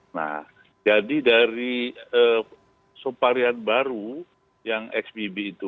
nah jadi dari soparian baru yang xbb